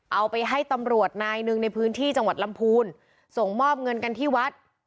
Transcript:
เอาไปให้ตำรวจนายหนึ่งในพื้นที่จังหวัดลำพูนส่งมอบเงินกันที่วัด